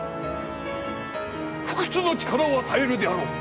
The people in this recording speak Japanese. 不屈の力を与えるであろう！